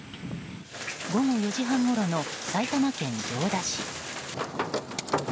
午後４時半ごろの埼玉県行田市。